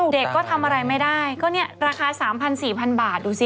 เด็กก็ทำอะไรไม่ได้ก็เนี่ยราคา๓๐๐๔๐๐บาทดูสิ